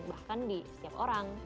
bahkan di setiap orang